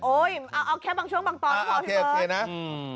โอ๊ยเอาแค่บางช่วงบางตอนก็พอดีครับ